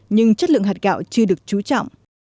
nhưng chất lượng hạt gạo chưa được trú trọng